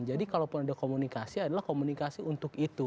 jadi kalau pun ada komunikasi adalah komunikasi untuk itu